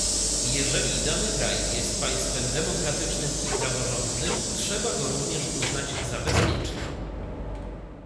Jeżeli dany kraj jest państwem demokratycznym i praworządnym, trzeba go również uznać za bezpieczny